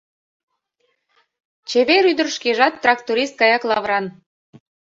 Чевер ӱдыр шкежат тракторист гаяк лавыран.